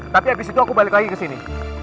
tapi abis itu aku balik lagi kesini